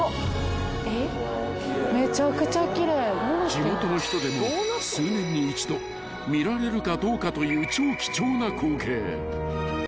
［地元の人でも数年に一度見られるかどうかという］